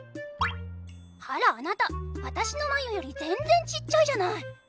あらあなた私のまゆより全然ちっちゃいじゃない。